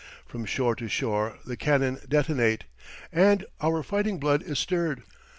From shore to shore the cannon detonate and our fighting blood is stirred.